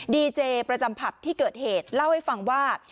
ดีเจประจำผับที่เกิดเหตุเล่าให้ฟังว่า